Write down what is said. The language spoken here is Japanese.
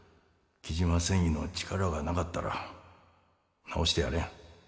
雉真繊維の力がなかったら治してやれん。